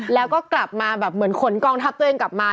แล้วก็กลับมาแบบเหมือนขนกองทัพตัวเองกลับมา